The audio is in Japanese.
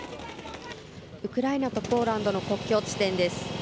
ウクライナとポーランドの国境地点です。